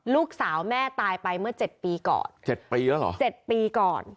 ลูกสาวแม่ตายไปเมื่อเจ็ดปีก่อนเจ็ดปีแล้วเหรอเจ็ดปีก่อน